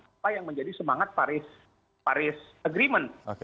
apa yang menjadi semangat paris agreement